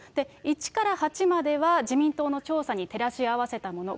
１から８までは、自民党の調査に照らし合わせたもの。